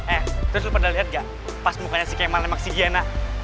eh terus lo pernah liat gak pas mukanya si kemal nembak si giana